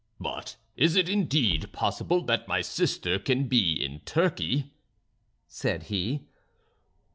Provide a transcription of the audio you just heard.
"But is it indeed possible that my sister can be in Turkey?" said he.